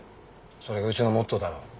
それがうちのモットーだろ。